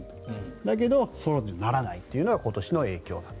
だけど、そうならないというのが今年の影響。